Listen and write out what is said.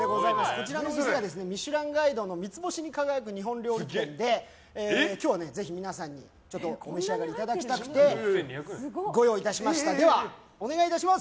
こちらのお店が「ミシュランガイド」の三つ星に輝くお店で今日はぜひ皆さんにお召し上がりいただきたくてご用意いたしました。